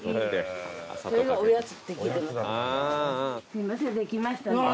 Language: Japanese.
すいませんできましたんで。